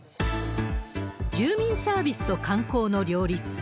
住民サービスと観光の両立。